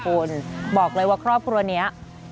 คุณบอกเลยว่าครอบครัวนี้